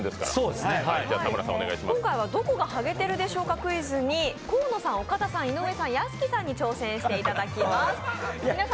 今回は「どこがハゲていでしょうかクイズ」に河野さん、岡田さん、井上さん屋敷さんに挑戦していただきます。